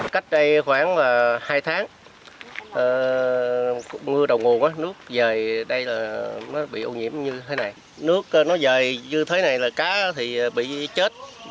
cách đây khoảng hai tháng ngư đồng nguồn nước rời đây là nó bị ô nhiễm như thế này nước nó rời như thế này là cá thì bị chết